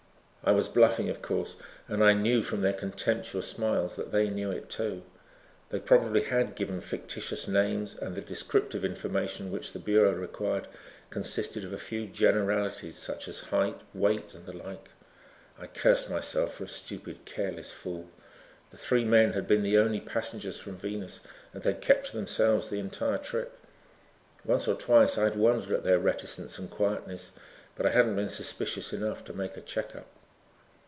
I was bluffing, of course, and I knew from their contemptuous smiles that they knew it, too. They probably had given fictitious names, and the descriptive information which the bureau required consisted of a few generalities, such as height, weight and the like. I cursed myself for a stupid, careless fool. The three men had been the only passengers from Venus and they had kept to themselves the entire trip. Once or twice I had wondered at their reticence and quietness but I had not been suspicious enough to make a check up.